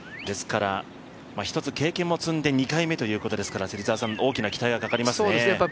ですから、一つ経験も積んで２回目ということですから大きな期待がかかりますね。